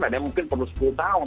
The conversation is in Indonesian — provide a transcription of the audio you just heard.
ada yang mungkin perlu sepuluh tahun